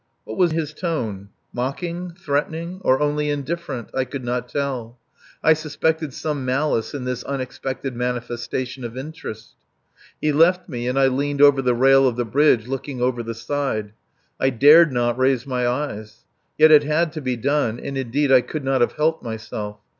What was his tone? Mocking? Threatening? Or only indifferent? I could not tell. I suspected some malice in this unexpected manifestation of interest. He left me, and I leaned over the rail of the bridge looking over the side. I dared not raise my eyes. Yet it had to be done and, indeed, I could not have helped myself.